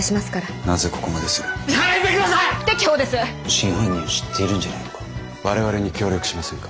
真犯人を知っているんじゃないのか？